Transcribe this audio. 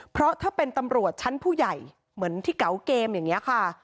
เพราะถ้าเป็นตำรวจชั้นผู้ใหญ่เหมือนที่เก๋าเกมอย่างนี้ค่ะ